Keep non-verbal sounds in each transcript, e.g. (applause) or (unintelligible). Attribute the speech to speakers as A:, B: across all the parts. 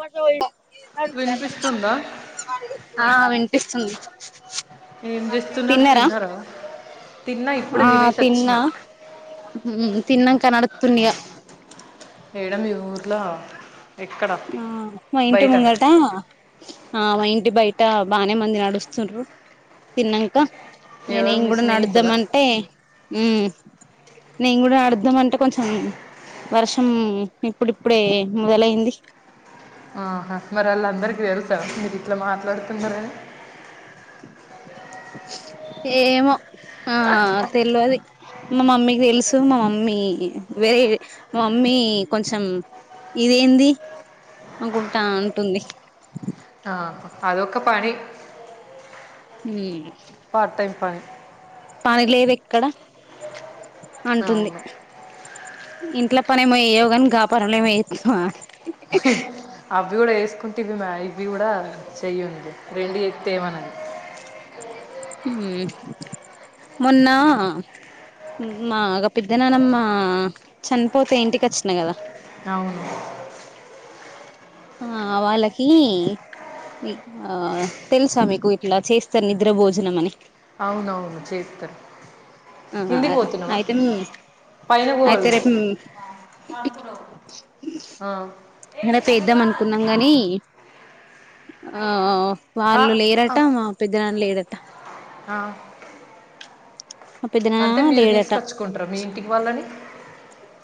A: మా వ.
B: వినిపిస్తుందా
A: ఆ విన్పిస్తుంది
B: ఏం చేస్తున్నర్ తిన్నరా తిన్నా ఇప్పుడే దినేష్ అచ్చిన
A: హుమ్ తిన్నాక నాడుత్తున్నా ఇగ
B: ఏడ మీ ఊర్ల
A: యా మా ఇంటి ముంగట ఆ మా ఇంటి బయట బానే మంది నడుస్తుండ్ర తిన్నంక ఇగ
B: ఎవరు
A: నెన్
B: మీ
A: కూడ
B: స్నేహితుల
A: నడుద్దామంటే ఉమ్ నేన్ కూడ అడ్దం అంటే కొంచం వర్షం ఇప్పుడిప్పుడే మొదలయింది
B: ఆహా మర్ అల్లందరికి తెలుసా మీర్ ఇట్ల మాట్లాడుతున్నారని
A: ఏమో ఆ తెల్వది మా మమ్మీకి తెలుసు మా మమ్మీ వేరి మా మమ్మీ కొంచం ఇదేంది అంకుంటా అంటుంది
B: ఆహా, అదొక పని
A: ఉమ్మ్
B: పార్టైం పని
A: పనిలేద్ ఎక్కడ అంటుంది
B: అవును
A: ఇంట్ల పనేమో చేయ్యవ్ గని గా పనులేమో చెత్తవ అది
B: ఫ అవ్వి కూడా వేసుకుంటే ఇవి మ ఇవి కూడా చేయద్దు రెండు చేత్తే ఏమనదు
A: హ్మ్ మొన్నా మా గా పెద్దనాన్నమ చన్పోతే ఇంటికచ్చిన కదా
B: అవును
A: ఆ వాళ్ళకి ఇ ఆ తెలుసా మీకు ఇట్ల చేస్తార్ నిద్ర భోజనం అని
B: అవునవును చేత్తరు
A: ఆ
B: కిందీక్ పోతున్నావా
A: అయితే
B: పైన
A: అయితే
B: పోవాల్నేను
A: రేపు
B: ఆ
A: మన పేద్దం అనుకున్నాం గాని ఆ
B: ఆ,
A: వాళ్ళు
B: ఆ.
A: లేరట మా పెద్దనాన్ లేరట
B: ఆ
A: మా
B: అంటే
A: పెద్దనాన్న
B: మీరు
A: లేడట
B: తీస్కచ్చుకుంటార మీ ఇంటికి వాళ్ళని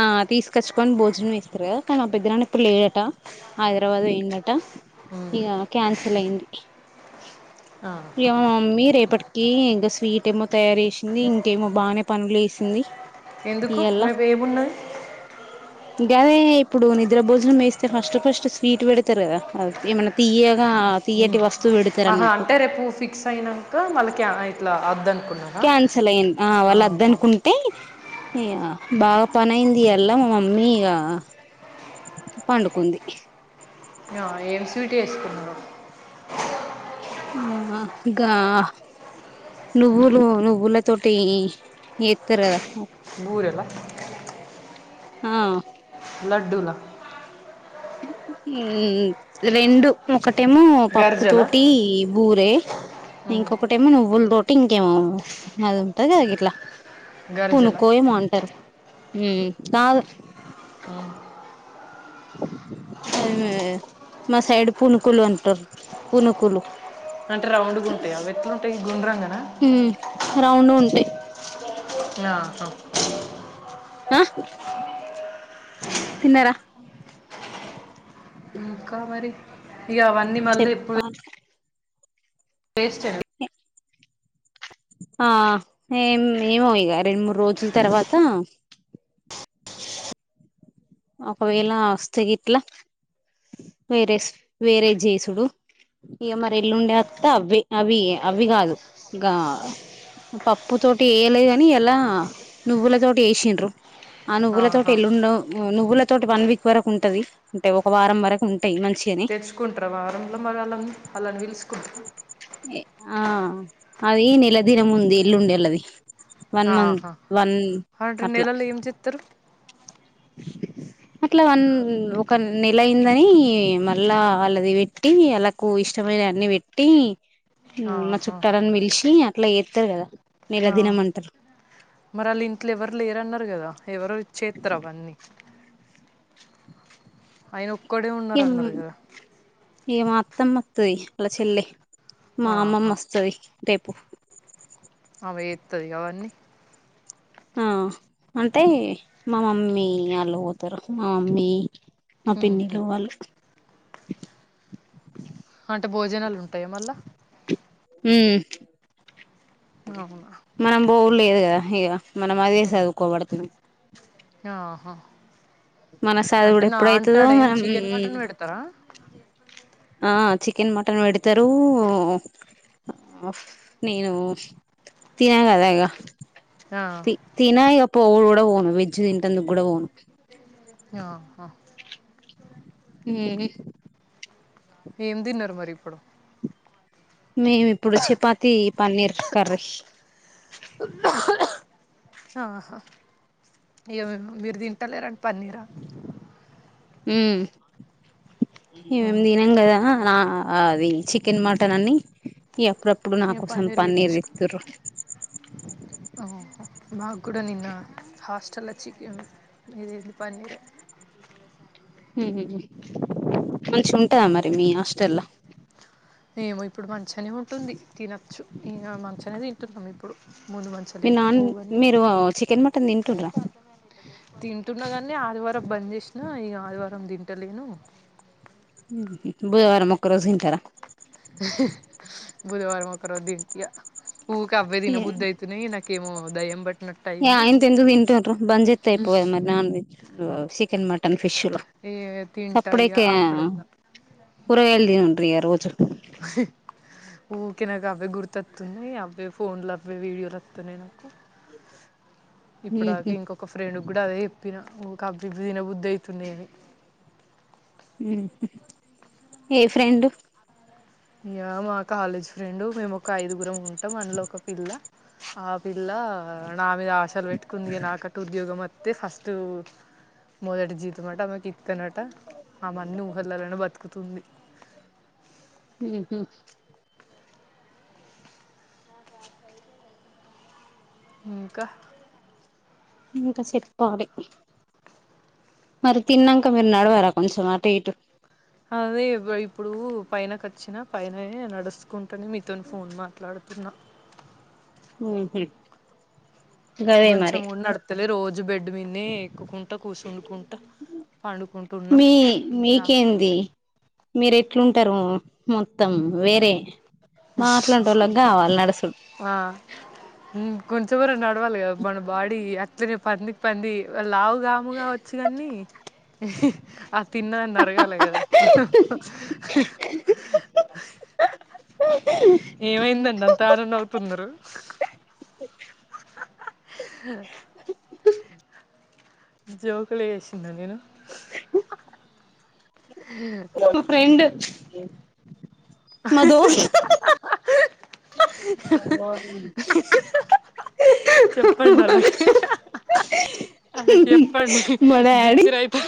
A: ఆ తీస్కచ్చుకొని భోజనం ఇస్తర్ కాదా మా పెద్దనాన ఇప్పుడు లేరట హైదరాబాద్ వోయిన్డట
B: ఉమ్,
A: ఇగ క్యాన్సల్ అయింది
B: అ
A: ఇయ మా మమ్మీ రేపట్కీ గ స్వీట్ ఏమో తయార్ చేసింది ఇంకేమో బానే పనులు చేసింది
B: ఎందుకు
A: ఇయల్లా
B: రేప్ ఏమున్నది
A: గదే ఇప్పుడు నిద్ర భోజనం ఏస్తే ఫస్ట్ ఫస్ట్ స్వీట్ పెడ్తార్ అ ఏమైన్నా తియ్యగా
B: మ్ ఆహా అంటే రేపు ఫిక్స్ అయింన్కా మళ్ళ క్యా ఇట్ల అద్దనుకున్నా
A: క్యాన్సల్ అయింద్ ఆ వాళ్ళందన్ టై ఇయ బాగా పనియింది అల్లా మా మమ్మీ ఇయ పండుకుంది
B: య ఎం స్వీటీ ఎస్కున్నావ్
A: ఆ గా నువ్వులు నువ్వుల తోటి ఎత్తారు కదా
B: బురెలా
A: ఆ
B: లాడ్డూల
A: ఉమ్ రెండు ఒకటేమో పప్పు
B: గర్జల
A: తోటి బురే
B: ఉమ్,
A: ఇంకొకట ఏమో నువ్వుల తోటి ఇంకేమో అది ఉంటంది కదా గిట్లా
B: గర్జల
A: పూనుకో ఏమోంటారు ఉమ్ కాదు
B: ఆ
A: అది మా మా సైడ్ పూనుకులు అంటారు పూనుకులు
B: అంటే రౌండ్గా ఉంటాయి అవి ఎట్లా ఉంటాయి ఈ గుండ్రంగా నా
A: ఉమ్ రౌండ్ గా ఉంటాయి
B: ఆ ఓక్
A: ఆ తిన్నార
B: ఇంకా మరి ఇగ అవన్నీ మళ్ళీ ఇప్పుడ
A: చెప్పాలి
B: వేస్ట్ ఏనా
A: ఆ ఏం ఏమో ఇగ రెండు మూడు రోజుల తర్వాత ఒకవేళ వస్త గిట్లా వేరేస్ వేరే జెసుడు ఇగ మరి ఎల్లుండే అత్త అవి అవి అవి కాదు గా పప్పు తోటి ఏయలే గని ఇయ్యలా నువ్వుల తోటి చేసిండ్రు ఆ నువ్వుల తోటి
B: ఆహా
A: ఎల్లుండవు నువ్వుల తోటి వన్ వీక్ వరకు ఉంటంది అంటే ఒక వారం వరకు ఉంటాయి మంచి
B: తెచ్చుకుంటార వారంలో మరి అల్లన్ అల్లన్ పిలుసుకుంటా
A: ఆ అది నేలా దిన ముంది ఎల్లుండే అల్లది వన్ మంత్
B: ఆహా
A: వన్
B: అంటే
A: అట్లా
B: నెలలో ఏం చేత్తరు (unintelligible)
A: అట్లా వన్ ఒక నెల అయిందని మళ్ళా ఆళ్ళది పెట్టి అలా కు ఇష్టమైన అన్ని పెట్టి మా
B: ఆహా
A: చుట్టాలని పిలిచి అట్లా ఎత్తారు కదా
B: ఆ
A: నీలదినమంటారు
B: మరి వాళ్ళ ఇంట్లో ఎవరు లేరున్నారు కదా ఎవరు చెత్తారు అవన్నీ ఆయన ఒక్కడే ఉన్నారురన్నారు కదా
A: ఏ మా అత్తమ్మ వత్తాది అలా చెల్లె మా అమ్మమ్మ
B: ఆహా
A: వస్తది రేపు
B: ఆమె ఎత్తది కావన్నీ
A: ఆ అంటే మా మమ్మీ వాళ్ళు పోతారు మా మమ్మీ మా
B: ఉహు
A: పిన్నిళ్లు వాళ్ళు
B: అంటే భోజనాలు ఉంటాయా మళ్ళా
A: ఉమ్
B: అవునా
A: మనం పోవు లేదు కదా ఇగ మనం అదే
B: ఉహు.
A: చదువుకోబడితిమి
B: ఆహా
A: మన
B: అంటే
A: చదువుడు
B: నా అంటే
A: ఎప్పుడైతదో
B: ఆడ ఏం
A: మనం
B: చికెన్ మటన్ పెడతారా
A: ఆ చికెన్ మటన్ పెడతారు నేను తినగద ఇగ
B: ఆ
A: తినా ఇగ పోవుడు కూడా పోను వెజ్ తింటందుకు కూడా పోను
B: ఆ ఆ
A: ఏ
B: ఏం తిన్నారు మరి ఇప్పుడు
A: మేము ఇప్పుడు చపాతి పన్నీర్ కర్రీ
B: ఆహా ఏ మేము మీరు తింటలేరని పన్నీరా
A: ఊ ఇగ మేం
B: ఊహు
A: తినం కదా నా ఆ అది చికెన్ మటన్ అని ఇగ ఎప్పుడప్పుడు నా కోసం పన్నీర్ తెతుండ్రు
B: ఆహా నా కూడా నిన్న హాస్టల చికెన్ ఇదేందీ పనిరే
A: మంచి ఉంటందా మరి మీ హాస్టల్లో
B: ఎమో ఇప్పుడు మంచిగానే ఉంటుంది తినొచ్చు మంచిగానే తింటున్నాము ఇప్పుడు ముందు మంచి
A: మీ నాన్ మీరు చికెన్ మటన్ తింటుంరా
B: తింటున్నా కానీ ఆదివారం బంద్ చేసిన ఇగ ఆదివారం తింటలేను
A: ఉహు బుధవారం ఒకరోజు తింటారా
B: బుధవారం ఒకరోజు తింటా ఊకే అవే తినబుద్ధి అవుతుంది తునయ్ నాకేమో దయం బట్
A: ఇగ అయింత ఎందుకు తింటురు బంజత్యిపో మరి non veg chicken mutton fish లు
B: ఏ తింట ఇగ
A: సప్పుడేక
B: అప్పుడన్నా
A: కూరగాయలు తినుండ్రి ఇగ రోజు
B: ఫ ఊకే నాకు అవ్వే గుర్తు వస్తున్నాయి అవ్వే ఫోన్ల అవే వీడియోలు వస్తున్నాయి నాకు ఇప్పుడాక
A: ఉహు
B: ఇంకొక ఫ్రెండ్ కూడా అదే చెప్పిన ఊకే అవి ఇవి తినబుద్ అవుతుంది అని
A: ఏ ఫ్రెండు
B: ఇగ మా కాలేజ్ ఫ్రెండ్ మేము ఒక ఐదుగురం ఉంటాం అందులో ఒక పిల్ల ఆ పిల్ ల నా మీద ఆసలు పెట్టుకుంది నా కట ఉద్యోగం మ తె ఫస్ట్ మొదట జీతం అట ఆమెకు ఇత్ కనట ఆ మన్ని ఊహలలనే బతుకుతుంది
A: ఉహు
B: ఇంకా
A: ఇంకా చెెప్పాలి మరి తిన్నంక మీరు నడవరా కొంచెం అటు ఇటు
B: అదే అబ ఇప్పుడు పైనకు వచ్చిన పైననె నడుచకుంటానే మీతోని ఫోన్ మాట్లాడుతున్నా
A: ఉహు గదే
B: కొంచెం
A: మరి
B: కూడ నడతలే రోజు బెడ్ మీదనె ఎక్కుకుంటా కూర్చుంకుంట
A: మీ
B: యా
A: మీకేంది మీరు ఎట్లుంటారు మొత్తం వేరే మాట్లాంటోలకి కావాలి నడసుడు
B: ఆ ఊ కొంచెం కూర నడవాలి కదా మన బాడీ అట్లనే పందికి పంది లావు గాము గావచ్చి కాని తిన్నదన్న అరగాలి కదా ఏమైందండి అంత ఆనం నవుతున్నారు హ జోకులు ఎసిందా నేను హ
A: మా ఫ్రెండ్ మా దోస్త్
B: చెప్పండి వాళ్లకి అలాకి చెప్పండి
A: మా డాడీ
B: బిత్తిరైయిపో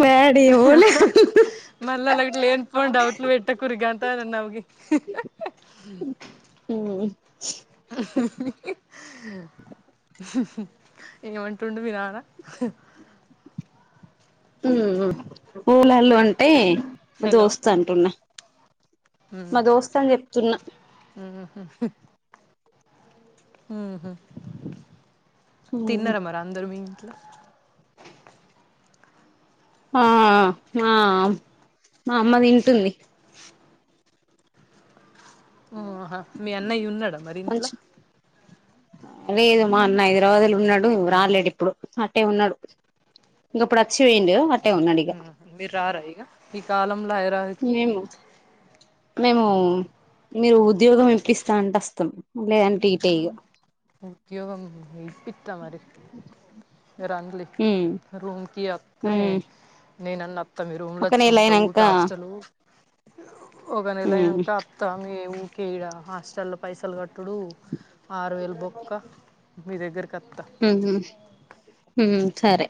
A: మా డాడీ ఎవలే
B: మల్ల లైట్ లేనిపోని డౌట్లు పెట్టకుర్రి గంతగానం నవ్వి
A: ఉమ్మ్
B: ఏమంటుండు మీ నాన్న
A: ఉమ్మ్ పూలలుు అంటే మా
B: హలో
A: దోస్త్ అంటున్నా మా దోస్త్ అని చెప్తున్నా
B: మ్మ్ఉహ్మ్ మ్మ్ఉహ్మ్ తిన్నారా మరి అందరు మీ ఇంట్లో
A: ఆ ఆ మామ్ మాఅమ్మ తింటుంది
B: ఆహా మీ అన్నయ్య ఉన్నాడా మరి ఇంట్లా
A: కొంచెం లేదు మా అన్న హైదరాబాద్ వెళ్ళిపోయినాడు రాలేడు ఇప్పుడు అటే ఉన్నాడు ఇగ అప్పుడు వచ్చిపోయిండు అటే ఉన్నాడు ఇగ
B: మీరు రారా ఇగ ఈ కాలంలో హైదరాబాద్ కి
A: మేము మేము మీరు ఉద్యోగం ఇప్పస్తా అంటే వస్తాం లేదంటే ఈటే ఇగా
B: ఉద్యోగం ఇప్పిత్తా మరి రన్లీ
A: ఉమ్
B: రూమ్‌కి వత్తే
A: ఉమ్
B: నేనన్న అత్తా మీ రూమ్లో
A: ఒక
B: వచ్చి
A: నెల
B: ఉంటా
A: అయినంక
B: ఉకే హాస్టల్లు ఒక నెల
A: ఉమ్
B: అయినాంక అత్త మీ ఊకే ఇడ హాస్టల్లో పైసలు కట్టుడు ఆరువేలు బొక్క మీ దగ్గరికి అత్త
A: ఉమ్మ్ ఉమ్మ్ ఉమ్మ్ సరే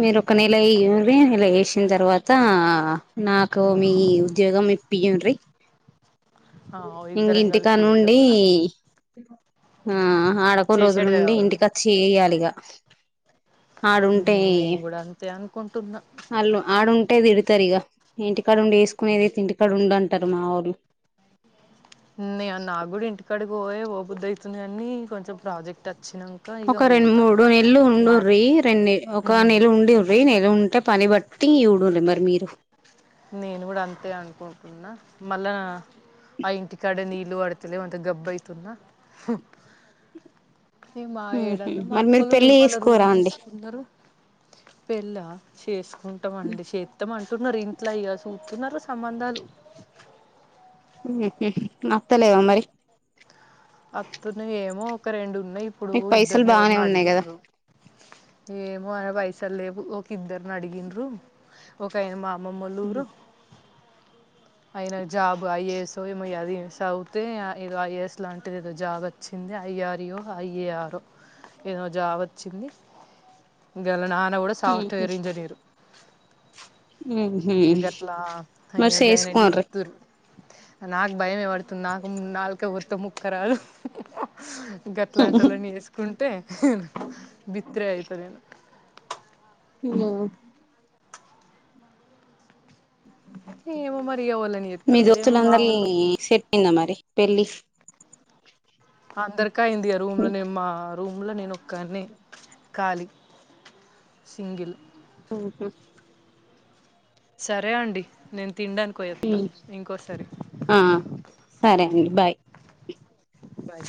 A: మీరు ఒక నెల ఎయుండ్రి నెల ఏసిన తర్వాత నాకు మీ ఉద్యోగం ఇప్పియుండ్రి
B: ఆ
A: ఇంగ
B: ఇద్దరం కలిసి
A: ఇంటికాడ
B: చేద్దాం
A: నుండి
B: ఆడ
A: ఆ ఆడ కొన్ని
B: చేసేటిదే
A: రోజులుండి
B: కావాలి
A: ఇంటికి అచ్చి ఎయ్యాలి ఇగ ఆడుంటే
B: తే అనుకుంటున్న
A: అళ్ళు ఆడుంటే తిడతారు ఇగ ఇంటికాడుండి చేసుకునేదైతే ఇంటికాడుండు అంటారు మా ఒళ్ళు
B: నే నాకూడా ఇంటికాడికి పోయే పోబుద్ధి అయితుంది కానీ కొంచెం ప్రాజెక్ట్ వచ్చినాం
A: ఒక రెండు మూడు నెల్లు ఉండుర్రీ రెండు ఒక నెల ఉండుర్రి నెల ఉంటే పని బట్టి చూడుర్రి మరి మీరు
B: నేను కూడా అంతే అనుకుంటున్నా మళ్ళా ఆ ఇంటికాడ నీళ్ళు పడు తాలేవు అంత గబ్బైతున్న నే మా
A: ఉహు
B: ఏడన్న మా
A: మరి మీరు
B: అక్కలు
A: పెళ్ళి
B: నిర్మల రూమ్
A: చేసుకోరా అండి
B: తీసుకున్నారు పెళ్ళా చేసుకుంటామండి చేత్తాం అంటున్నారు ఇం ట్లో ఇగ సుత్తున్నారు సంబంధాలు
A: మ్మ్ఉహ్మ్ నత్తలేవా మరి
B: వత్తునయ్ ఏమో ఒక రెండు ఉన్నాయి ఇప్పుడు
A: మీకు పైసలు
B: ఇద్దరిని
A: బానే
B: ఎవరినో
A: ఉన్నాయి కదా
B: అడిగిండ్రు ఏమో అయన వయసలేవు ఒక ఇద్దరుని అడిగిండ్రు ఒక ఏమో అమ్మమ్మోల్ల ఊరు ఆయన జాబ్ ఐఏఎస్ ఏమో ఇగ అది సవుతే ఏదో ఐఏఎస్ లాం అది ఏదో జాగా వచ్చింది అయ్యరియో అయ్య ఆరో ఏదో జాబ్ వచ్చింది గల నాన్న కూడా
A: ఉహు
B: సాఫ్ట్వేర్ ఇంజనీర్
A: ఉం
B: ఇగ గట్లా గైనను చూత్తూరు నాకు భయమే ఏ పడుతుంది నాకు నాలుక కోస్తే ముక్కరాదు గట్లాంటోలని చేసుకుంటే బిత్రే ఐత నేను
A: ఉ
B: ఏమో మరి ఇగ ఏవళ్ళని
A: మీ
B: చేతరో ఏమో మా
A: దోస్తులందరి
B: వాళ్ళు
A: సెట్ అయిందా మరి పెళ్లి
B: అందరికి అయింది ఆ రూమ్ లోనే మా రూమ్లో నేను ఒక్కనే ఖాళీ సింగిల్
A: ఆహా
B: సరే అండి నేను తినడానికి పోయి ఆస్తా ఇంకోసారి
A: ఆ సరే అండి బాయ్
B: బాయ్